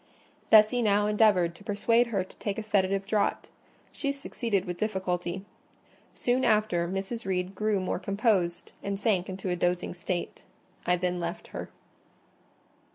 Bessie now endeavoured to persuade her to take a sedative draught: she succeeded with difficulty. Soon after, Mrs. Reed grew more composed, and sank into a dozing state. I then left her.